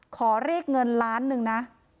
ขอเลขเงินล้านนึงนะ